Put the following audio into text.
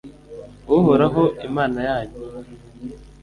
uhoraho, imana yanyu